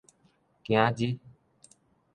今仔日